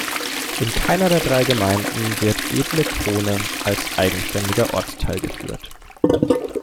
In keiner der drei Gemeinden wird Edle Krone als eigenständiger Ortsteil geführt.